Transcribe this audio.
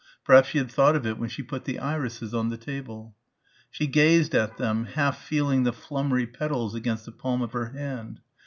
Perhaps she had thought of it when she put the irises on the table. She gazed at them, half feeling the flummery petals against the palm of her hand.